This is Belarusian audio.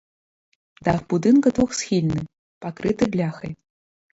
Дах будынка двухсхільны, пакрыты бляхай.